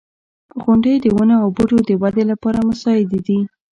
• غونډۍ د ونو او بوټو د ودې لپاره مساعدې دي.